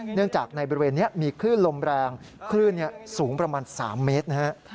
เนื่องจากในบริเวณนี้มีคลื่นลมแรงคลื่นสูงประมาณ๓เมตรนะครับ